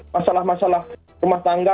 masalah masalah rumah tangga